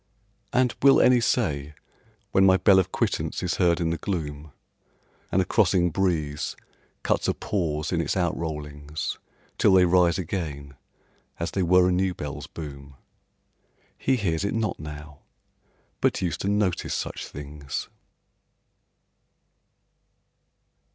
And will any say when my bell of quittance is heard in the gloom, And a crossing breeze cuts a pause in its outrollings, Till they rise again, as they were a new bell's boom, "He hears it not now, but used to notice such things"?